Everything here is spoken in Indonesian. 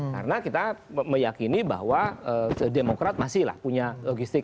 karena kita meyakini bahwa demokrat masih lah punya logistik